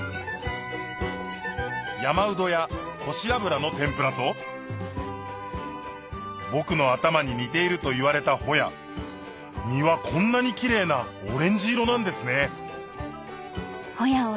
山ウドやコシアブラの天ぷらと僕の頭に似ていると言われたホヤ身はこんなにキレイなオレンジ色なんですね